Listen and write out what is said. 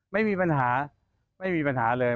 ไม่มีปัญหาไม่มีปัญหาเลย